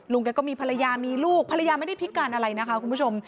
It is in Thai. แกก็มีภรรยามีลูกภรรยาไม่ได้พิการอะไรนะคะคุณผู้ชม